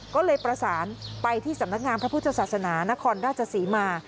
ก็เลยประสานไปที่สำนักงานพระพุทธศาสนานครราชศรีมา